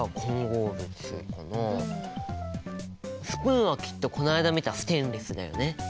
スプーンはきっとこの間見たステンレスだよね。